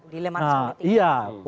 dileman seperti itu